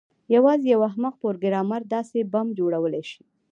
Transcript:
یوازې یو احمق پروګرامر داسې بم جوړولی شي